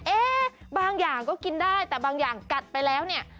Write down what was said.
บางอย่างก็กินได้แต่บางอย่างกัดไปแล้วเนี่ย